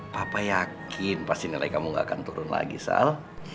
papa yakin pasti nilai kamu gak akan turun lagi soal